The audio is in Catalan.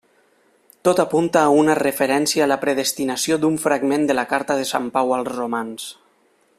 Tot apunta a una referència a la predestinació d'un fragment de la carta de sant Pau als romans.